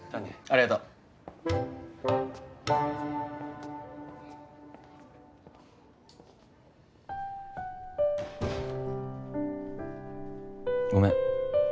ありがとう。ごめん。